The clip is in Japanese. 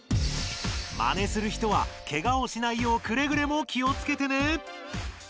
マネする人はケガをしないようくれぐれも気をつけてね！